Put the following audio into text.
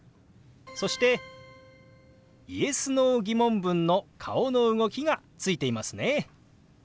そしてＹｅｓ／Ｎｏー疑問文の顔の動きがついていますね。